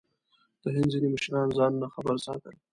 د هند ځینې مشران ځانونه خبر ساتل.